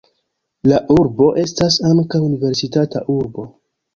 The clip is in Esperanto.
La urbo estas ankaŭ universitata urbo.